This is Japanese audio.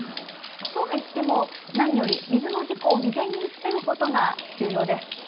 とはいっても、何より水の事故を未然に防ぐことが重要です。